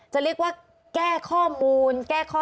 จะเรียกว่าแก้ข้อมูลอย่างแท๊กจริง